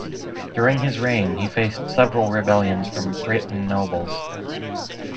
During his reign he faced several rebellions from Breton nobles.